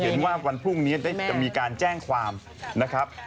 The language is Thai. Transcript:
เห็นว่าวันพรุ่งนี้จะมีการแจ้งความนะครับ